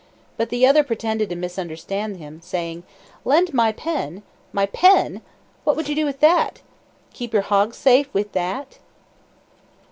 But the other pretended to misunderstand him, saying: "Lend my pen! my pen? What would you do with that? keep your hogs safe with that?"